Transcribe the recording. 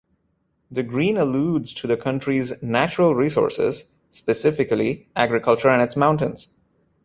The green alludes to the country's natural resources - specifically agriculture and its mountains.